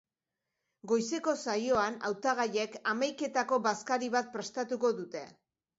Goizeko saioan hautagaiek hamaiketako-bazkari bat prestatuko dute.